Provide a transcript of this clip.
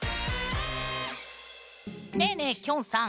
ねえねえきょんさん。